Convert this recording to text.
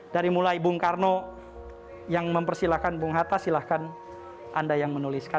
dari mulai bung karno yang mempersilahkan bung hatta silahkan anda yang menuliskan